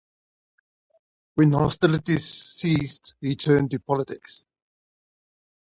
When hostilities ceased he turned to politics.